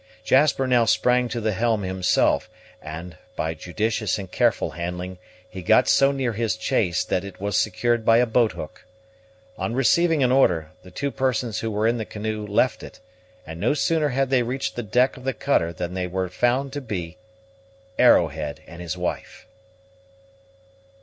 Jasper now sprang to the helm himself and, by judicious and careful handling, he got so near his chase that it was secured by a boat hook. On receiving an order, the two persons who were in the canoe left it, and no sooner had they reached the deck of the cutter than they were found to be Arrowhead and his wife.